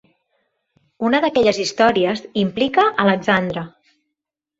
Una d'aquelles històries implica Alexandre.